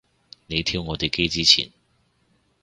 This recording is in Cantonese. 你挑我哋機之前